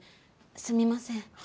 すみません。